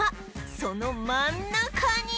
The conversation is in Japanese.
その真ん中に